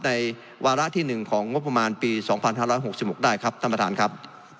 ในวาระที่หนึ่งของงบประมาณปีสองพันห้าร้อยหกสิบหกได้ครับท่านประธานครับ